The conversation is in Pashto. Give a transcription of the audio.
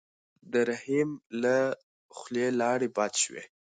د رحیم له خولې لاړې باد شوې.